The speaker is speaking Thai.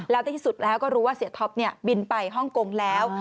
แล้วที่สุดแล้วก็รู้ว่าเสียท็อปบินไปฮ่องกงแล้ว